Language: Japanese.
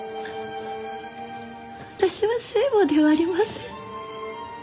私は聖母ではありません。